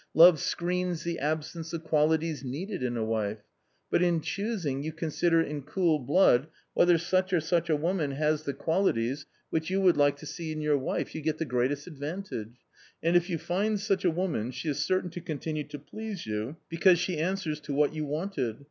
Love screens the absence of qualities needed in a wife. But when in choos ing you consider in cool blood whether such or such a woman has the qualities which you would like to see in your wife, you get the greatest advantage. And if you find such a woman she is certain to continue to please you, because she answers to what you wanted.